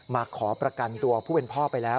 ขอประกันตัวผู้เป็นพ่อไปแล้ว